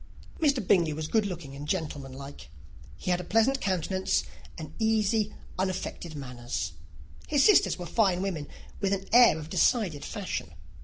Mr. Bingley was good looking and gentlemanlike: he had a pleasant countenance, and easy, unaffected manners. His sisters were fine women, with an air of decided fashion.